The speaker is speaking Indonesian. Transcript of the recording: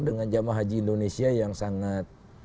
dengan jemaah haji indonesia yang sangat